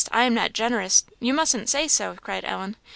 I am not generous! you mustn't say so," cried Ellen.